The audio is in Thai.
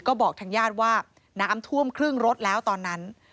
ก็บอกทางญาติว่าน้ำท่วมครึ่งรถแล้วตอนนั้น